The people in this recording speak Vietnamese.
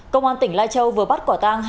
công an tỉnh lai châu vừa bắt quả tang